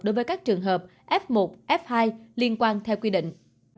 đối với các trường hợp f một f hai liên quan theo quy định